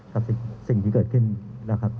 กับสิ่งที่เกิดขึ้นนะครับ